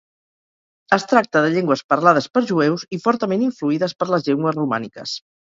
Es tracta de llengües parlades per jueus i fortament influïdes per les llengües romàniques.